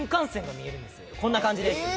こんな感じです。